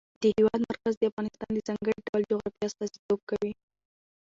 د هېواد مرکز د افغانستان د ځانګړي ډول جغرافیه استازیتوب کوي.